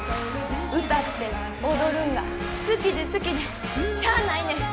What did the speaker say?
歌って踊るんが好きで好きでしゃあないねん。